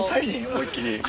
思いっ切り。